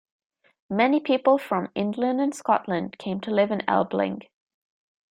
Many people from England and Scotland came to live in Elbling.